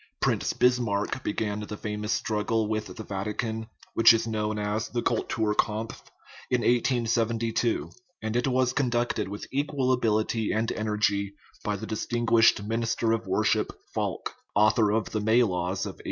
Prince Bismarck began the famous struggle with the Vatican, which is known as the cultur kampf, in 1872, and it was conducted with equal ability and energy by the distinguished Minister of Worship, Falk, author of the May laws of 1873.